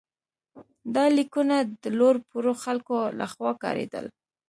دا لیکونه د لوړ پوړو خلکو لخوا کارېدل.